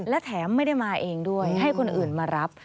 และแถมไม่ได้มาเองด้วยให้คนอื่นมารับ